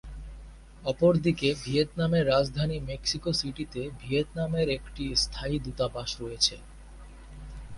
অপরদিকে ভিয়েতনামের রাজধানী মেক্সিকো সিটিতে ভিয়েতনামের একটি স্থায়ী দূতাবাস রয়েছে।